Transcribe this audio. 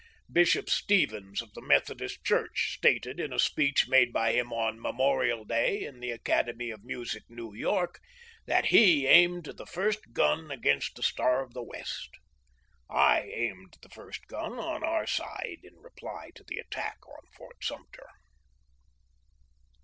Bishop Stevens of the Methodist Church stated in a speech made by him on Memorial Day in the Academy of Music, New York, that he aimed the first gun against the Star of the West. I aimed the first gun on our side in reply to the attack on Fort Sumter.